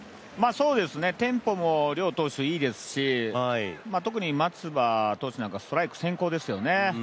テンポも、両投手いいですし特に松葉投手なんかストライク先行ですよね。